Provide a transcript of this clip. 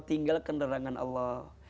tinggalkan derangan allah